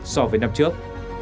so với năm trước